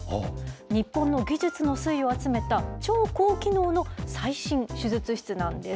日本の技術の粋を集めた、超高機能の最新手術室なんです。